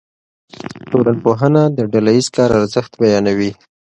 ټولنپوهنه د ډله ایز کار ارزښت بیانوي.